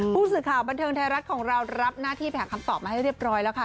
ผู้สื่อข่าวบันเทิงไทยรัฐของเรารับหน้าที่ไปหาคำตอบมาให้เรียบร้อยแล้วค่ะ